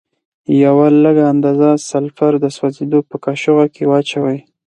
یوه لږه اندازه سلفر د سوځیدو په قاشوغه کې واچوئ.